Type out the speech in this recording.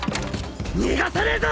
逃がさねえぞ！